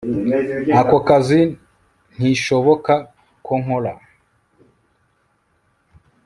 Ako kazi ntishoboka ko nkora